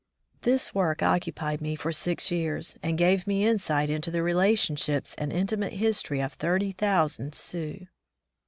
This work occupied me for six years, and gave me insight into the relationships and intimate history of thirty thousand Sioux.